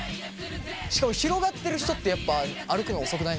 しかも広がってる人ってやっぱ歩くのが遅くない？